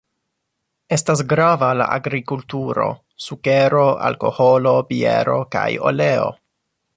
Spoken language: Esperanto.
Estas grava la agrikulturo: sukero, alkoholo, biero kaj oleo.